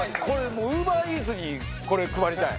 もうウーバーイーツにこれ配りたい。